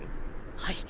はい。